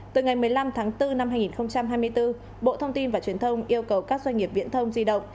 từ ngày một mươi năm tháng bốn năm hai nghìn hai mươi bốn bộ thông tin và truyền thông yêu cầu các doanh nghiệp viễn thông di động